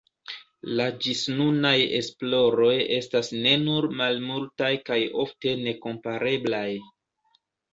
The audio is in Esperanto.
La ĝisnunaj esploroj estas ne nur malmultaj kaj ofte nekompareblaj.